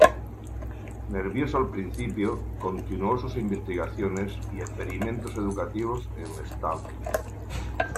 Nervioso al principio, continuó sus investigaciones y experimentos educativos en Stans.